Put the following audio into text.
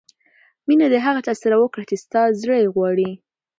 مینه د هغه چا سره وکړه چې ستا زړه یې غواړي.